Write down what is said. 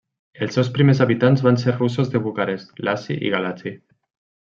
Els seus primers habitants van ser russos de Bucarest, Iaşi i Galaţi.